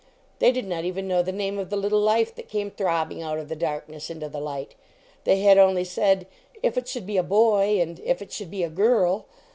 They did not even know the name of the little life that came throbbing out of the darkness into the light. They had only said, "If it should be a boy," and, "If it should be a girl."